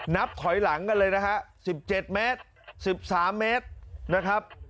นับถอยหลังกันเลยนะคะสิบเจ็ดเมตรสิบสามเมตรนะครับ